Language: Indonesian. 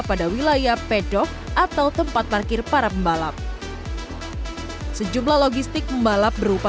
pada wilayah pedok atau tempat parkir para pembalap sejumlah logistik pembalap berupa